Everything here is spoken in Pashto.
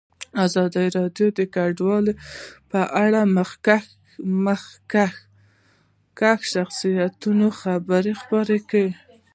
ازادي راډیو د کډوال په اړه د مخکښو شخصیتونو خبرې خپرې کړي.